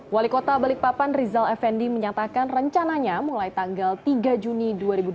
wali kota balikpapan rizal effendi menyatakan rencananya mulai tanggal tiga juni dua ribu dua puluh